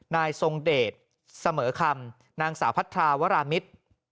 นายทรงเดชเสมอคำนางสาวพัทราวรามิตร